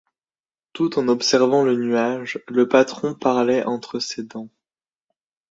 Tout en observant le nuage, le patron parlait entre ses dents.